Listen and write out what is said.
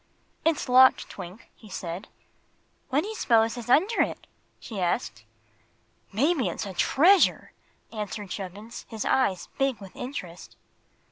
"It's locked, Twink," he said. "What do you'spose is under it?" she asked. "Maybe it's a treasure!" answered Chubbins, his eyes big with interest.